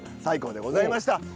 最高でございました。